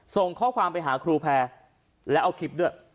ส่งข้อความไปหาครูแพร่แล้วเอาคลิปด้วย